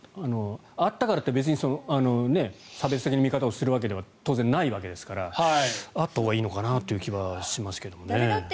あったからって別に差別的な見方をするわけでは当然ないわけですからあったほうがいいかなという気はしますけどね。